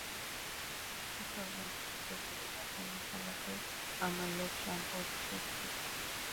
মুসলমানদের উপর গেরিলা আক্রমণ চালাতে আমার লোক সম্পূর্ণ প্রস্তুত।